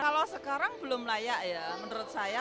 kalau sekarang belum layak ya menurut saya